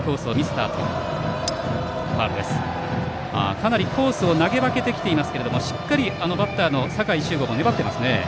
かなりコースを投げ分けてきていますがしっかりバッターの酒井柊伍も粘っています。